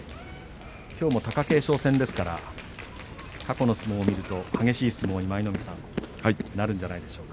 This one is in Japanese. きょうは貴景勝戦ですから過去の相撲を見ると激しい相撲に舞の海さんなるんじゃないでしょうか。